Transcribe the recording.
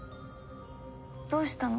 どうしたの？